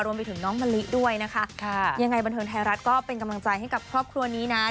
รวมไปถึงน้องมะลิด้วยนะคะค่ะยังไงบันเทิงไทยรัฐก็เป็นกำลังใจให้กับครอบครัวนี้นะ